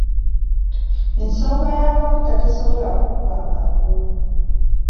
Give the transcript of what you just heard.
Ensonga y'amafuta tesobola kuggwa mangu.